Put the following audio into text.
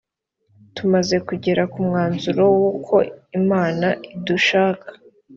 tumaze kugera ku mwanzuro w uko imana idushaka